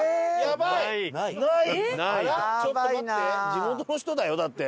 地元の人だよだって。